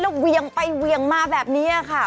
แล้วเวียงไปเวียงมาแบบนี้ค่ะ